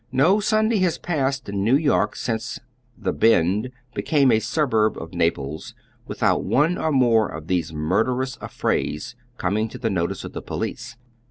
Xo Sunday has passed in New York since " the Bend " became a suburb of Naples witliout one or more of these umrderous affrays coming to the notice of the police.